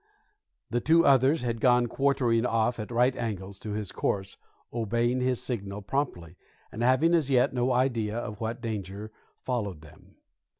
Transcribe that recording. The two others had gone quartering off at right angles to his course, obeying his signal promptly, but having as yet no idea of what danger followed them.